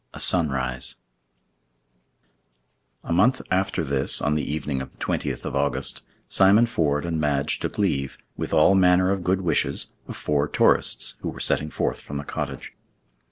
A SUNRISE A month after this, on the evening of the 20th of August, Simon Ford and Madge took leave, with all manner of good wishes, of four tourists, who were setting forth from the cottage.